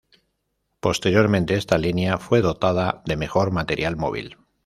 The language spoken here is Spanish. Posteriormente esta línea fue dotada de mejor material móvil.